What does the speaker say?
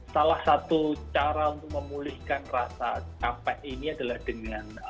salah satu cara untuk memulihkan rasa capek ini adalah dengan